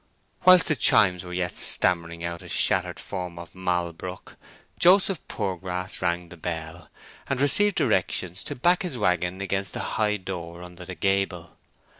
Whilst the chimes were yet stammering out a shattered form of "Malbrook," Joseph Poorgrass rang the bell, and received directions to back his waggon against the high door under the gable.